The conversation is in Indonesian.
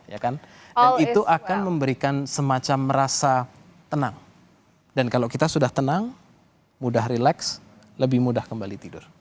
dan itu akan memberikan semacam merasa tenang dan kalau kita sudah tenang mudah relax lebih mudah kembali tidur